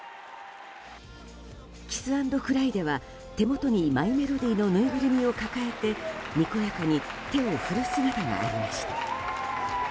キスアンドクライでは手元にマイメロディのぬいぐるみを抱えてにこやかに手を振る姿もありました。